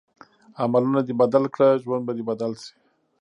عملونه دې بدل کړه ژوند به دې بدل شي.